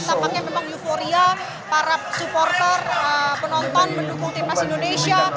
tampaknya memang euforia para supporter penonton mendukung timnas indonesia